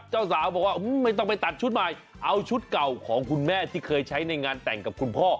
เจ้าสาวบอกว่าไม่ต้องไปตัดชุดใหม่เอาชุดเก่าของคุณแม่ที่เคยใช้ในงานแต่งกับคุณพ่อ